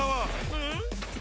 うん！？